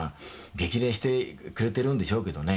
激励してくれてるんでしょうけどね